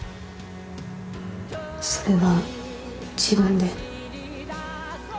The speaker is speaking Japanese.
それは自分で？